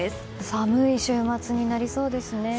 寒い週末になりそうですね。